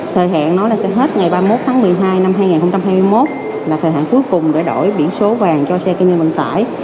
thời hạn nó là sẽ hết ngày ba mươi một tháng một mươi hai năm hai nghìn hai mươi một là thời hạn cuối cùng để đổi biển số vàng cho xe kinh doanh vận tải